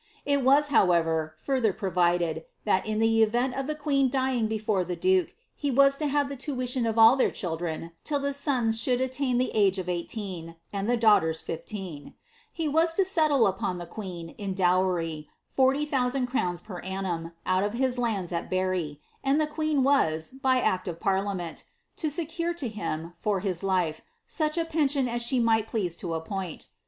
It mt, how ever, further profided, that, L^ — f the queen dyiniif befon Ito duke, lie u as to have the luilioil ofaii iiieir rhildren. til) the sons •should attain iKe age of eighteen, and the daughters drieen. He was to settle upon the queen, in dowry, 40,000 crowns per annum, out of his lanils at Berri, and the queen was, by act of parliament, to secure to him, for his life, sucli a pension as she might please to appoint.'